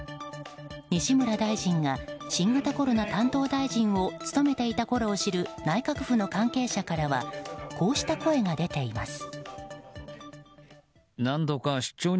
西村大臣が新型コロナ担当大臣を務めていたころを知る内閣府の関係者からはこうした声が出ています。